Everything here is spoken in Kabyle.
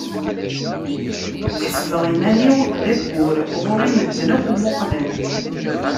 Ḥesbeɣ iman-iw d ayyur, ɣur-i medden akk mmuqlen.